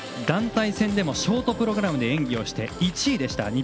団体戦でもショートプログラムで演技をして１位でした。